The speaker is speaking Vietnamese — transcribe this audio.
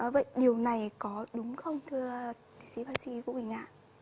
vậy điều này có đúng không thưa thị sĩ bác sĩ vũ bình ạ